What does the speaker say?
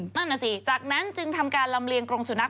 นั่นน่ะสิจากนั้นจึงทำการลำเลียงกรงสุนัข